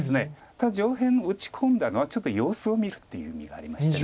ただ上辺打ち込んだのはちょっと様子を見るっていう意味がありまして。